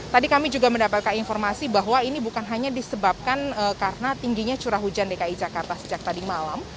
tadi kami juga mendapatkan informasi bahwa ini bukan hanya disebabkan karena tingginya curah hujan dki jakarta sejak tadi malam